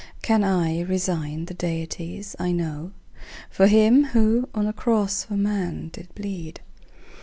Can I resign the deities I know For him who on a cross for man did bleed?